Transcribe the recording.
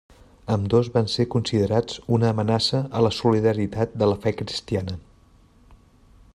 Ambdós van ser considerats una amenaça a la solidaritat de la fe cristiana.